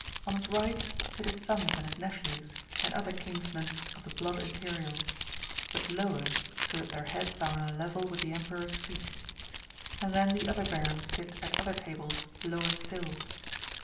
On his right sit his sons and his nephews, and other kinsmen of the Blood Imperial, but lower, so that their heads are on a level with the Emperor's feet. And then the other Barons sit at other tables lower still.